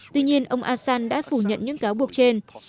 tuy nhiên ông assan đã phủ nhận những cáo buộc trên